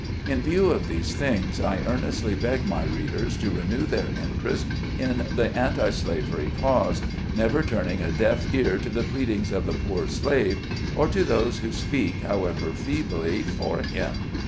In view of these things, I earnestly beg my read ers to renew their interest in the anti slavery cause, never turning a deaf ear to the pleadings of the poor slave, or to those who speak, however feebly, for him.